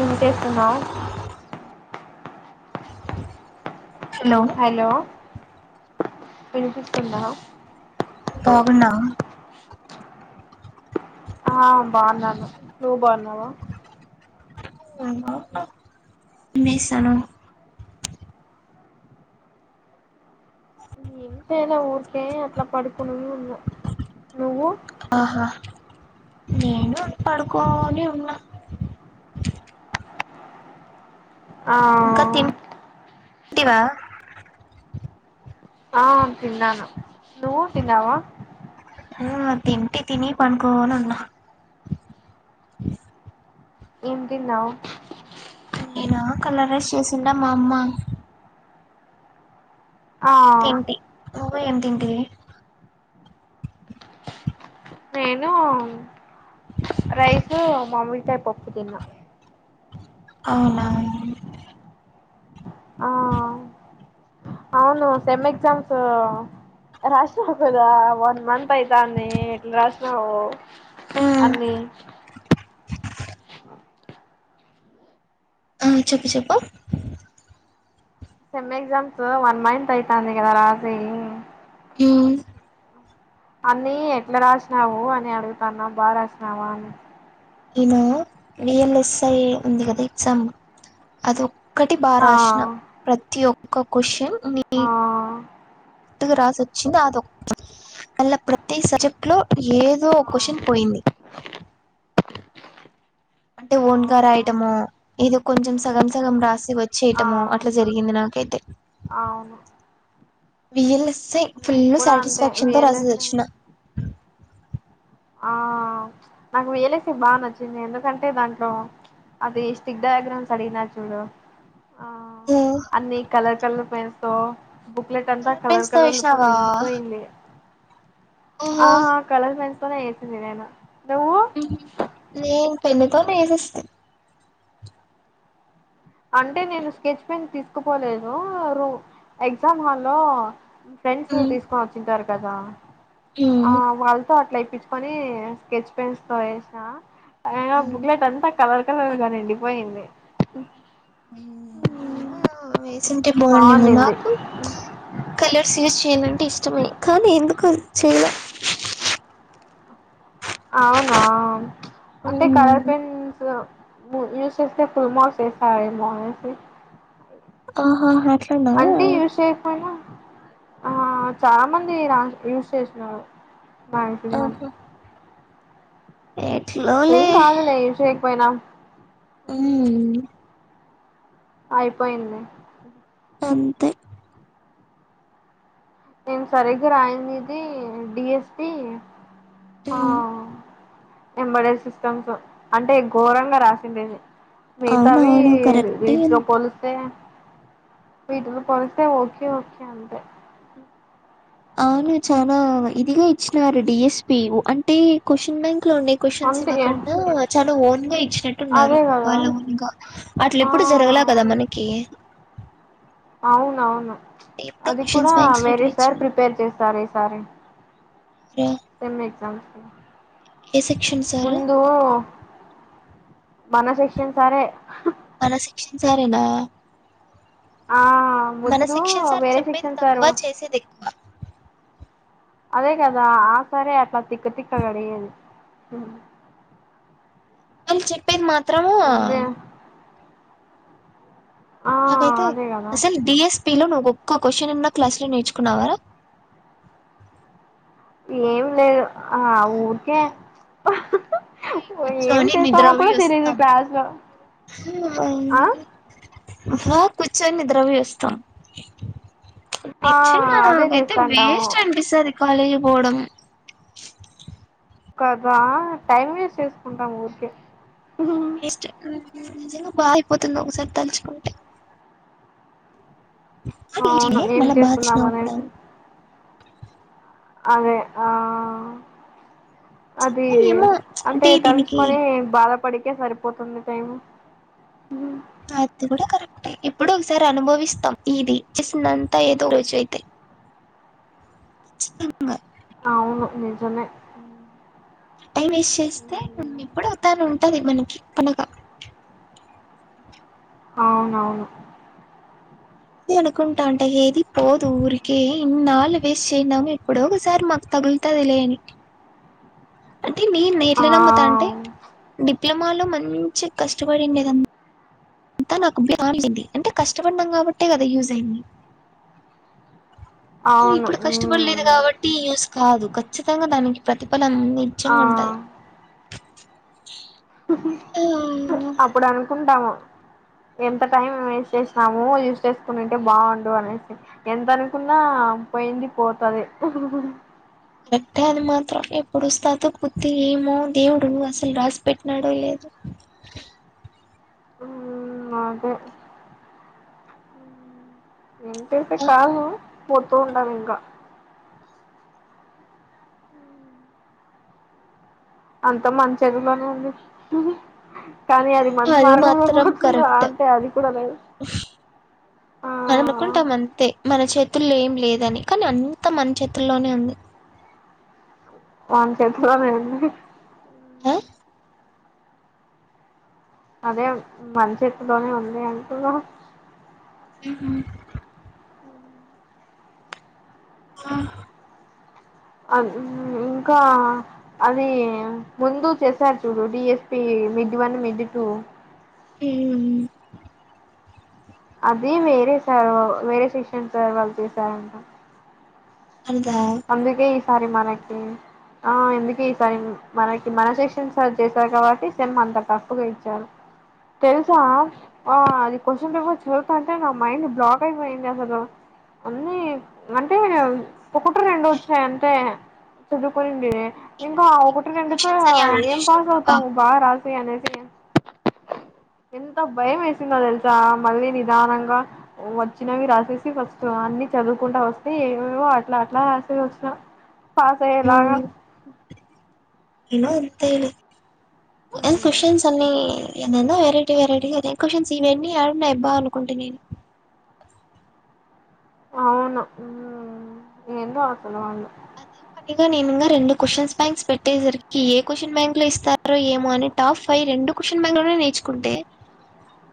ఏం చేస్తున్నావ్? అ హలో విన్పిస్తుందా? బాగున్నావా? ఆ బాగున్నాను, నువ్ బాగున్నావా? [inaudible] మినేసాను ఏంలే ఊరికే అట్లా పడుకుని ఉన్నా నువ్వు ఆహా నేను పడుకోని ఉన్న ఆ టివా ఆ తిన్నాను నువ్వు తిన్నావా అ తింటి తిని పనుకోని ఉన్నా ఎం తినవ్ నేనా కలర్ రైస్ చేసిందే మా అమ్మ ఆ నువ్ ఏం తింటివి నేను రైసు మామిడికాయ పప్పు తిన్నా అవునా ఆ అవును సెమ్ ఎక్సామ్స్ రాసావు కదా వన్ మంత్ అయితాది ఏట్లా రాసినవు ఉమ్ అన్ని ఆ చప్ప చెప్ప సెమ్ ఎక్సామ్స్ వన్ మంత్ అయితది కదా రాసి ఉమ్మ్ అన్నీ ఎట్లా రాసినావు అని అడుగుతాన్నా బాగా రాసినావా అని నేను విఎల్ఎస్ఐ ఉంది కదా ఎగ్జామ్ అది ఒటి ఆ బారాసిన ప్రతి ఒక్క క్వశ్చన్ ఆ ట్టు రాసి వచ్చింది అది ఒక మళ్ళ ప్రతి సబ్జెక్ట్ లో ఏదో ఆ క్వశ్చన్ పోయింది అంటే ఓన్ గా అవునా రాయటమో ఏదో కొంచెం సగం సగం రాసి ఆ వచ్చేయటమో అట్లా జరిగింది నాకు అయితే అవును విఎల్స్స ఫుల్ నేను కూడా అంతే సాటిస్ఫాక్షన్ తో రాసి విఎల్ఎస్ఏ వచ్చిన ఆ నాకు వేలేసి బాగా నచ్చింది ఎందుకంటే దాంట్లో అదే స్టిక్ డయాగ్రమ్స్ అడిగినారు చూడు ఆ ఓ అన్ని కలర్ కలర్ పెన్స్తో బుక్లెట్ అంతా కలర్ పెన్స్ తో కలర్లుతో వేసినావా నిండిపోయింది ఆ ఆహా కళల్ మన్స్తోనే ఏసింది నేను నువ్వు నేను పెన్నతోనే వేసిేస్తా అంటే నేను స్కెచ్ పెన్ తీసుకుపోలేదు రూ ఎగ్జామ్ హాల్లో ఫ్రెండ్స్ ఉమ్, తీసుకొని వచ్చింటారు కదా ఉమ్, ఆ వాళ్ళతో అట్లా తీసుకొని స్కెచ్ పెన్స్ తో వేసా ఆ ఉమ్, బుక్లెట్ అంత కలర్ కలర్ క్కలగా నిండిపోయింది నేన్ నేను వేస్ వేసుటే బాగుండేమో బాగుండింది నాకు కలర్స్ యూస్ చేయాలంటే ఇష్టమే కానీ ఎందుకో చేయలే అవునా అంటే ఉమ్, కలర్ పెన్స్ యూ చేస్తే ఫుల్ మార్క్స్ ఇస్తారేమో అనేసి ఆహా అట్లానా అంటే ఈషేక్మైన ఆ చాలా మంది రా యూజ్ చేసినారు ఆహా మాక్సిమం ఏం ఎట్లోలే కాదులే యూస్ చేయకపోయినా మ్మ్ అయిపోయింది అంతే నేను సరిగ్గా రాయింది ఇది డీస్పీ ఉ ఎంబ్రాయిడరీ సిస్టమ్స్ అంటే ఘోరంగా రాసిండేది మిగతావి అవునవును కరెక్టే వీటితో పోలిస్తే వీటిల పోలిస్తే ఓకే ఓకే అంతే అవును చనా ఇదిగా ఇచ్చినారు డిఎస్పి అంటే క్వశ్చన్ బ్యాంక్ లో క్యూస్షన్స్ అంతే ఇవ చాలా ఓన్ గా ఇచ్చినట్టు ఉన్నారు అదే కదా వాళ్ళ ఓన్ గా అట్ల ఆ ఎప్పుడు జరగలా కదా మనకి అవునవును ఎప్పుడో అది క్వశ్చన్స్ కూడా బ్యాంక్స్ లో వేరే సారి ప్రిపేర్ చేస్తారు ఈసారి అ same exams A section sir ముందు మన సెక్షన్ సార్ మన సెక్షన్ సరేనా ఆ మన ముందు సెక్షన్ సార్ వేరే చెప్పేది సెక్షన్ తక్కువ సారు చేసేది ఎక్కువ అదే కదా ఆ సరే అట్లా తిక్కతిక్క అడిగేది అళ్ళు చెప్పేది మాత్రము ముందే ఆ నాకు అయితే అదే కదా అస్సలు డేట్ పిలో నువ్వు ఒక్క క్వశ్చన్ ఏన్న క్లాస్ లో నేర్చుకున్నావరా ఏం లేదు ఆ ఊరికే పోయి ఏం కూర్చొని చేస్తామో నిద్రవి కూడా తెలీదు చుస్తునాం క్లాస్ లో హ ఆ ఏ కూర్చొని నిద్రపోయి వస్తా ఆ నిజంగా అదే నాకు అయితే చేస్తాంటాము వేస్ట్ అనిపిస్తుది కాలేజీ కి పోడంమ కదా టైం వేస్ట్ చేసుకుంటాం ఊరికే స్ నిజంగా బాగా అయిపోతుంది ఒకసారి తలుచుకుంటే అవును అనే ఏం మళ్ళ చేస్తున్నాం బాధించినవు కూడా అనేసి అదే ఆ అది ఏమో అంటే దీనికి తలుచుకుని బాధ ఇప్పటికే సరిపోతుంది టైమ్ ఉ అది కూడా కరెక్ట్ ఇప్పుడు ఒకసారి అనుభవిస్తాం ఇది జస్న్ అంతా ఏదో రోజు అయితే చ్చితంగా అవును నిజమే టైం వేస్ట్ చేస్తే ఎప్పుడు అవుతానే ఉంటుంది మనకి పనగా అవునవును అ అనుకుంటాంట ఏది పోదు ఊరికే ఇన్నిళ్ళు వేస్ట్ చేయనాము ఇప్పుడో ఒకసారి మాకు తగులుతదిలే అన్ని అంటే నే ఆ ఎట్ల నమ్మతా అంటే డిప్లొమాలో మంచి కష్టపడిండదా అంతా నాకు బంది అంటే కష్టపడ్నం కాబట్టే కదా యూజ అయింది అవును ఇప్పుడు కష్టపడలేదు మ్మ్ కాబట్టి యూస్ కాదు ఖచ్చితంగా దానికి ప్రతి ఆ నిజగా ఉంటది ఆ అప్పుడనుకుంటాము ఎంత టైం వేస్ట్ చేసినాము యూస్ చేసుకునింటే బాగుండు అనేసి ఎంత అనుకున్నా పోయింది పోతద కరెక్టే అది మాత్రం ఎప్పుడుొస్తాతో పుద్తిీ ఏమో దేవుడు అసలు రాసి పెట్టినాడో లేదో నాకు ఏంటైతే కాదు పోతూ ఉండాలీ ఇంకా అంత మన చేతిలోనే ఉంది కానీ అది మంచి మార్గంలో మాత్రం పోతుంది కరెక్ట్ అంటే అది కూడా లేదు ఆ మన అడుకుంటాం అంతే మన చేతుల్లో ఏం లేదని కానీ అంతా మన చేతుల్లోనే ఉంది వన్ చేతిలో లేంది ఆ అదే మన చేతిలోనే ఉంది అంటూన్న మ్ హు ఆ అ ఇంకా అది ముందు చేసారు చూడు DSP mid one mid two మ్ అది వేరే సార్ వేరే సేషన్ సార్ వాళ్ళు చేశారంట అద సారి మనకి ఆ ఎందుకే ఈసారి మనకి మన సెక్షన్ సర్ చేశారు కాబట్టి సేమ్ అంత టఫ్ గా ఇచ్చారు తెలుసా ఆ అది క్వశ్చన్ పేపర్ చదువుతంటే నా మైండ్ బ్లాక్ అయిపోయింది అసలు అన్నీ అంటే ఒకటి రెండు వచ్చాయి అంతే చదువుకోనింటిమీ ఈ ఇంకా అ ఒకటి ఈ రెండితో క్వశ్చన్స్ అన్ని యాడ ఏం చూసినాం పాస్ రా బాబు అవుతాము బాగా రాసి అనేసి అ ఎంత భయం వేసిందో తెలుసా మళ్ళీ నిదానంగా వచ్చినవి రాసేసి ఫస్ట్ అన్ని చదువుకుంటా వస్తే ఏమేవో అట్లా రాసి వచ్చిన పాసయ్యే లాగ నీను అంతే కని క్వశన్స్ అన్నీ ఏదెందో వెరైటీ వెరైటీ అదే క్వషన్స్ ఇవన్నీ యడున్నాయబ్బా అనుకుంటి నేను అవునా మ్ ఎందో అసలువాళ్ళు అదే పనిగా నేను ఇంగ రెండు క్వశ్చన్స్ బ్యాంక్స్ పెట్టేసరికి ఏ క్వశ్చన్ బ్యాంక్ లో ఇస్తారో ఏమో అని టాప్ ఫైవ్ రెండు క్వశ్చన్ బ్యాంక్లో నేర్చుకుంటే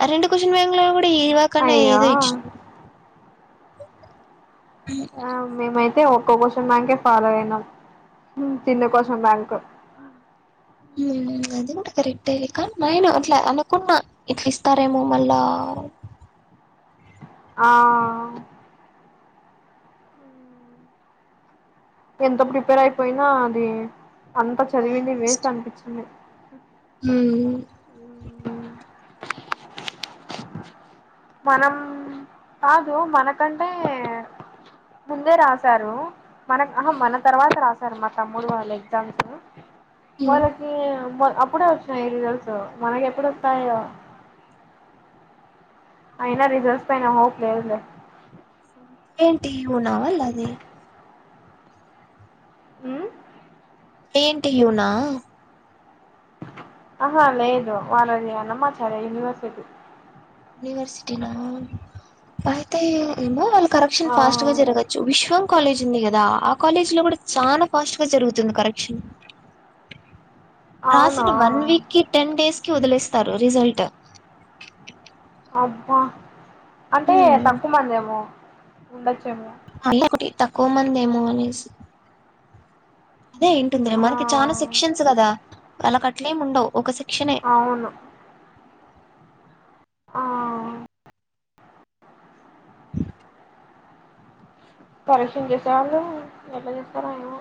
ఆ రరెండు క్వశ్చన్ బ్యాంక్ టే ఇవాక్ అన్న ఎదో అయ్యో ఇచ్చిర్రు ఆ మీమై తే ఒక్కో క్వశ్చన్ బ్యాంకే ఫాలో అయినాం చిన్న క్వశ్చన్ బ్యాంక్ మ్ అది కుడా కరెక్టే కానీ నేను అట్లా అనుకున్నా ఇట్లా ఇస్తారేమో మళ్ళా ఆ ఎంతో ప్రిపేర్ అయిపోయినా అది అంత చదివింది వేస్ట్ అనిపించింది మ్ మనం కాదు మనకంటే ముందే రాశారు మన అహ మన తర్వాత రాశారు మా తమ్ముడు వాళ్ళు ఎగ్జామ్స్ హ్మ్ వాళ్ళకీ మో అప్పుడే వచ్చినాయి రిజల్ట్స్ మనక్ ఎప్పుడొస్తాయో అయినా రజల్ట్స్ పైన హోప్ లేదులే. ఏంటి ఊనా వల్లది మ్ ఏంటి యునా అహ లేదు వాళ్ళది అన్నమ్మాచార్యా యనివర్సిటీ యూనివర్సిటీనా అయితే ఏమో వాళ్ళక్ కరెక్షన్ ఫాస్ట్గా ఆ జరగచ్చు విశ్వా కాలేజ్ ఉంది గదా ఆ కాలేజ్లో గుడ చానా ఫాస్ట్ గా జరుగుతుంది కరెక్షన్ అవునా రాసిన వన్ వీక్కి టెన్ డేస్కి వదిలేస్తారు రిజల్ట్ అబ్బ అంటే హ్మ్ తక్కువ మందేమో ఉండచ్చేమో అది ఒకటి తక్కువ మందేమో అనేసి అదే అయ్యుంటుందిలె ఆ మనకి చానా సెక్షన్స్ కదా ఆళ్ళక్ అట్లేం ఉండవ్ ఒక సె అవును ఆ అ కరెక్షన్ చేసేవాళ్ళు ఎట్ల చేస్తరో ఏమో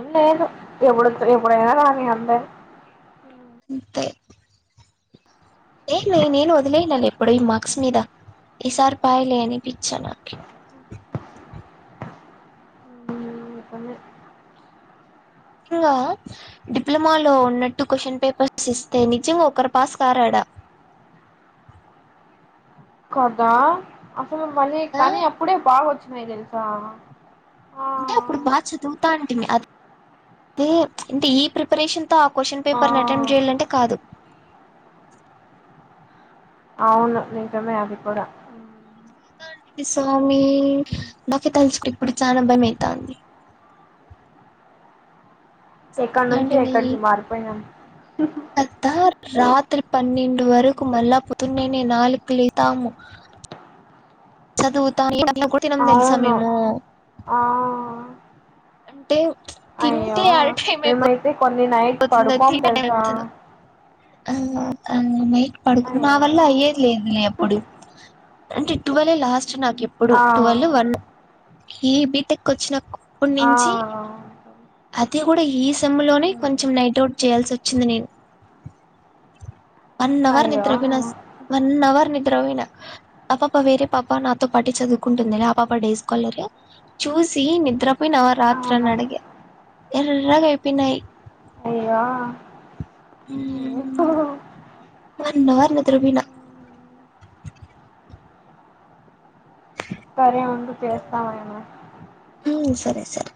ఏం లేదు ఎప్పుడు ఎప్పుడైనా రాని అందే అంతే ఏ నే నేను వదిలేయలే లేం పడయి మార్క్స్ మీదా ఈ సార్ పాయలే అని పిచ్చా నాకి కొన్ని నిజంగా డిప్లొమాలో ఉన్నట్టు క్వశ్చన్ పేపర్స్ ఇస్తే నిజంగ ఒకరు పాస్ కారాడా కదా అసలు మళ్ళీ ఆ కానీ అప్పుడే బాగొచ్చినాయి తెల్సా అంటే అప్పుడు బాగ్ చదువుతాంటిమి అదే అంటే ఈ ప్రిపరేషన్ తో ఆ క్వశ్చన్ ఆ పేపర్ని అటెంప్ట్ చేయాలంటే కాదు. అవును నిజమే అది కూడా డి స్వామి నాకైతే తలుచున్ ఇప్పుడు చానా భయమైతాంది. ఎక్కడ్నుంచి ఇలాంటివి ఎక్కడికి మారి పొయినం. ఆ రాత్రి పన్నెండు వరకు మళ్ళా పొద్దున్నేనే నాలుగ్ లేత్తాము. చదువుతా అన్నం కుడ తినం తెల్సా అవును మేమూ ఆ టే అయ్యో తింటే అరే టీమైపో మేమైతే కొన్ని నైట్ అయిపోతుందా పడుకోం టీ టైమ్ తెలుసా అయిపోతుందా మా అయ్యో వల్ల అయ్యేదిలేదులే అప్పుడు అంటే ట్వల్వ్ లాస్ట్ నాకెప్పుడు ఆ టువెల్ వన్ ఈ బీటెకొచ్చి నాకు ఆ అది గుడా ఈ సెమ్లోనే కొంచం నైట్ అవుట్ చేయాల్సొచ్చింది నేను వన్ అవర్ అయ్యో నిద్రపోయినస్ వన్ అవర్ నిద్రపొయిన ఆ పాప వేరే పాప నాతో పాటే చదువుకుంటుందిలే ఆ పాప డేస్ కాలర్ చూసి నిద్రపొయినావ అవునా రాత్రనడిగే ఎర్రగైపొయినాయి అయ్యా హ వన్ అవర్ నిద్దరపోయిన సరే ఉండు చేస్తస్తావాయన ఉ సరే సరే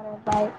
మ్ బాయ్